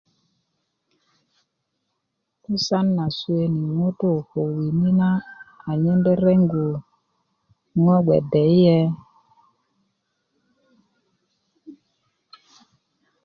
'busan na suweni ŋutu' ko wini na anyen rereŋgu̇ ŋo gbee deyiye